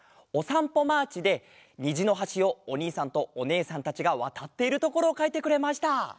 「おさんぽマーチ」でにじのはしをおにいさんとおねえさんたちがわたっているところをかいてくれました。